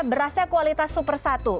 berasnya kualitas super satu